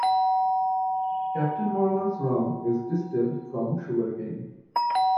Captain Morgan's Rum is distilled from sugar cane.